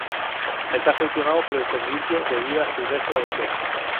Está gestionado por el Servicio de Vida Silvestre de Kenia.